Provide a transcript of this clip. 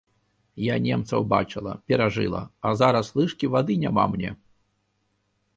Я немцаў бачыла, перажыла, а зараз лыжкі вады няма мне!